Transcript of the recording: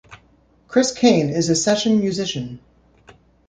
Chris Kane is a session musician.